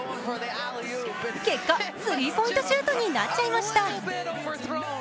結果、スリーポイントシュートになっちゃいました。